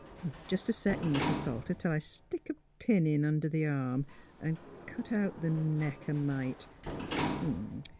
... Jes' a second, Mis' Salter, till I stick a pin in under the arm an' cut out th' neck a mite.